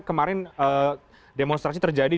kemarin demonstrasi terjadi